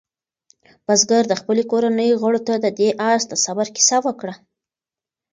بزګر د خپلې کورنۍ غړو ته د دې آس د صبر کیسه وکړه.